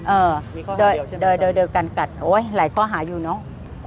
เออโดยกันกัดโอ้ยหลายข้อหาอยู่เนาะ